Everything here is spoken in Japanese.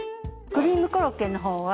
クリームコロッケの方は。